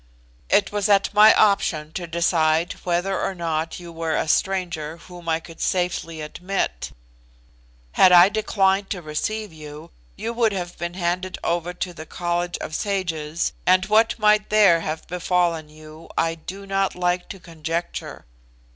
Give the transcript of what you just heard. It was at my option to decide whether or not you were a stranger whom I could safely admit. Had I declined to receive you, you would have been handed over to the College of Sages, and what might there have befallen you I do not like to conjecture.